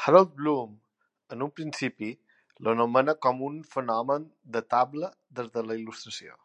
Harold Bloom, en un principi, l'anomena com un fenomen datable des de la Il·lustració.